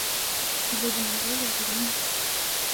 Левин у Долли в деревне.